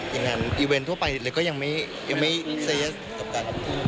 อย่างนั้นอีเวนทั่วไปก็ยังไม่เศรษฐ์สำคัญหรือเปล่า